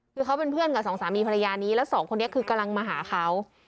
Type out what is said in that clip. คือเขาเป็นเพื่อนกับสองสามีภรรยานี้แล้วสองคนนี้คือกำลังมาหาเขา